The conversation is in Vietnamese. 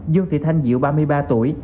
dương thị thanh diệu ba mươi ba tuổi